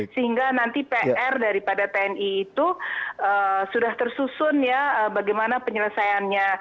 sehingga nanti pr daripada tni itu sudah tersusun ya bagaimana penyelesaiannya